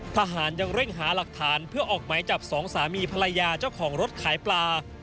ทหารยังเร่งหาหลักฐานเพื่อออกหมายจับสองสามีภรรยาเจ้าของรถขายปลา